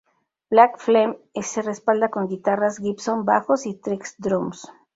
Black Flame se respalda con guitarras Gibson bajos y Trick Drums.